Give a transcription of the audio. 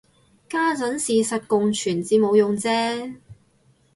家陣事實共存至冇用啫